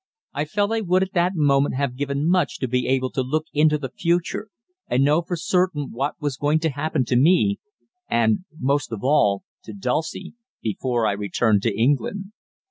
I felt I would at that moment have given much to be able to look into the future and know for certain what was going to happen to me, and, most of all, to Dulcie, before I returned to England.